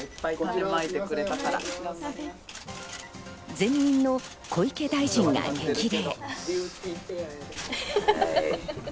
前任の小池大臣が激励。